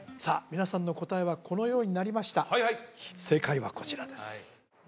皆さんの答えはこのようになりました正解はこちらです